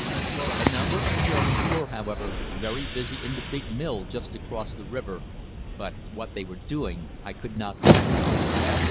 A number of Germans were, however, very busy in the big mill just across the river, but what they were doing I could not make out.